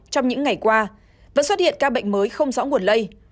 trong những ngày qua vẫn xuất hiện ca bệnh mới không rõ nguồn lây